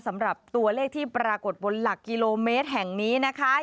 สำหรับตัวเลขที่ปรากฏบนหลักกิโลเมตรแห่งนี้นะคะ